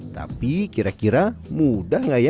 tapi kira kira mudah nggak ya